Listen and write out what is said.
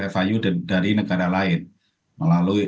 value dari negara lain melalui